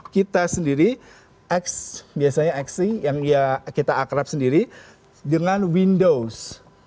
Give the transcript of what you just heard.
kita sendiri x biasanya x yang ya kita akrab sendiri dengan windows